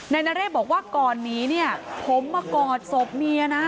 นายนเรศบอกว่าก่อนหนีเนี่ยผมมากอดศพเมียนะ